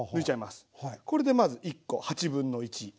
これでまず１個８分の１。